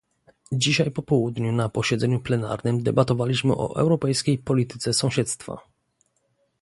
Dzisiaj po południu na posiedzeniu plenarnym debatowaliśmy o europejskiej polityce sąsiedztwa